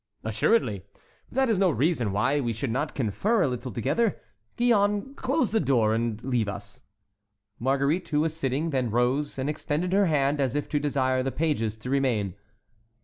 "Assuredly; but that is no reason why we should not confer a little together. Gillonne, close the door, and leave us." Marguerite, who was sitting, then rose and extended her hand, as if to desire the pages to remain.